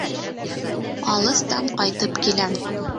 Алыҫтан ҡайтып киләм.